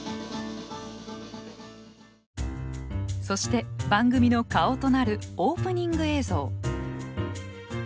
そして番組の顔となるオープニング映像。